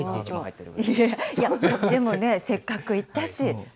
でもね、せっかく行ったし。